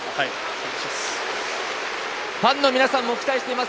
ファンの皆さんも期待しています。